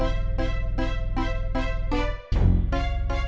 tunggu aku mau ke toilet